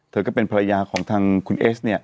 เธอก็เป็นภรรยาของทางคุณเอส